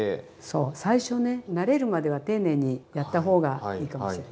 そう最初ね慣れるまでは丁寧にやったほうがいいかもしれない。